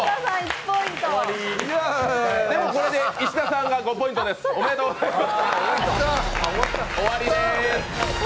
これで石田さんが５ポイント終わりです。